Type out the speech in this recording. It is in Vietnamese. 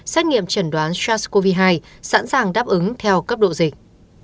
xét nghiệm chẩn đoán sars cov hai sẵn sàng đáp ứng theo cấp độ dịch